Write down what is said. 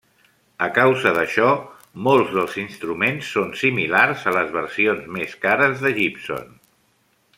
A causa d'això, molts dels instruments són similars a les versions més cares de Gibson.